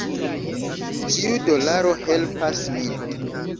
Ĉiu dolaro helpas min.